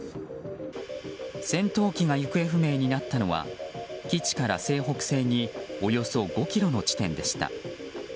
戦闘機が行方不明になったのは基地から西北西におよそ５ｋｍの地点でした。